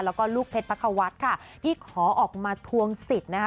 แล้วก็ลูกเพชรพระควัฒน์ค่ะที่ขอออกมาทวงสิทธิ์นะคะ